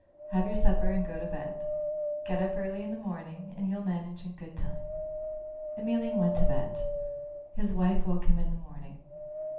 Have your supper and go to bed; get up early in the morning and you'll manage in good time." Emelian went to bed. His wife woke him in the morning.